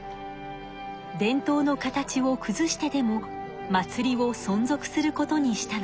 伝統の形をくずしてでも祭りをそん続することにしたのです。